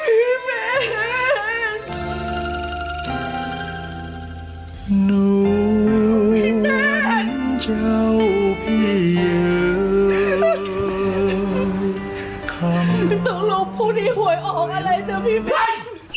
พี่แม่นพี่แม่นตัวลูกผู้ดีหวยออกอะไรเจ้าพี่แม่น